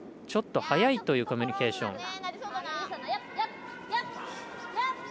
ちょっと速いというコミュニケーション。